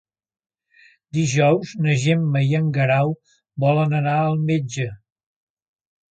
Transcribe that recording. Dijous na Gemma i en Guerau volen anar al metge.